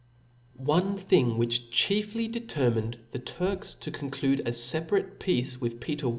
chap. 14. One thing which chiefly determined the Turks to conclude a fcparate peace with Peter I.